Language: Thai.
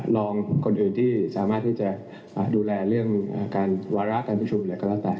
ลองคนอื่นที่สามารถที่จะดูแลเรื่องการวาระกันภิกษุหรือกระต่า